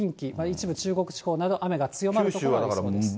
一部中国地方など、雨が強まる所があります。